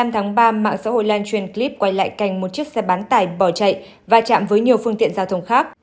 một mươi tháng ba mạng xã hội lan truyền clip quay lại cảnh một chiếc xe bán tải bỏ chạy và chạm với nhiều phương tiện giao thông khác